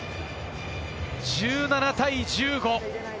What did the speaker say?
１７対１５。